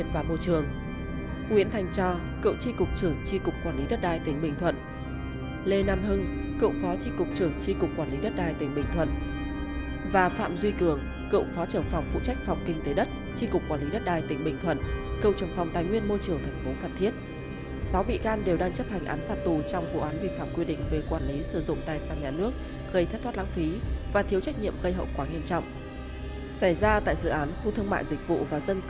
xảy ra tại dự án khu thương mại dịch vụ và dân cư tân việt pháp hai tỉnh bình thuận